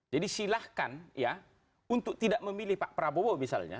jadi silahkan ya untuk tidak memilih pak prabowo misalnya